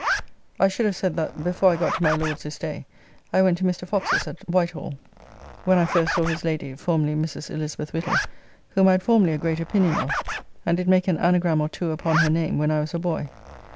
I should have said that before I got to my Lord's this day I went to Mr. Fox's at Whitehall, when I first saw his lady, formerly Mrs. Elizabeth Whittle, whom I had formerly a great opinion of, and did make an anagram or two upon her name when I was a boy.